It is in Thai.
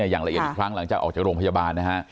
อย่างละเอียดอีกครั้งหลังจากออกจากโรงพยาบาลนะฮะ